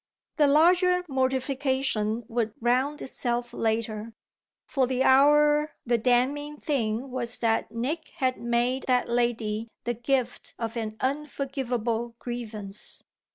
The larger mortification would round itself later; for the hour the damning thing was that Nick had made that lady the gift of an unforgivable grievance.